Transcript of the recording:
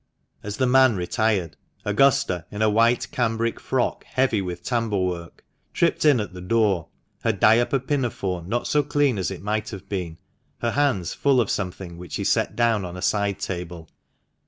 As the man retired, Augusta, in a white cambric frock heavy with tambour work, tripped in at the door, her diaper pinafore not so clean as it might have been, her hands full of something which she set down on a side table.